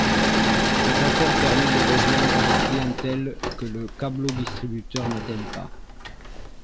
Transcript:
Cet accord permet de rejoindre des clientèles que le câblodistributeur n'atteint pas.